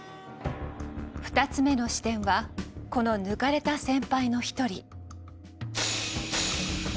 ２つ目の視点はこの抜かれた先輩の一人。